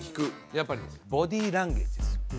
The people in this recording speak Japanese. やっぱりねボディーランゲージですよ